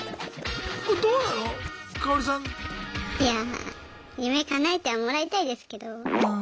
いやあ夢かなえてはもらいたいですけど。